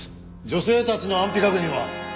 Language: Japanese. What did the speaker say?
女性たちの安否確認は？